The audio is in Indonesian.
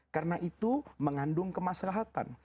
karena itu mengandung kemaslahatan